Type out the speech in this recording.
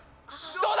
どうだ！？